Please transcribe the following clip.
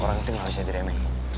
orang itu gak bisa diremeh